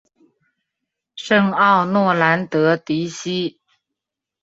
圣奥诺兰德迪西。